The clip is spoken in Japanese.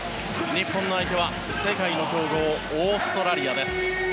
日本の相手は世界の強豪オーストラリアです。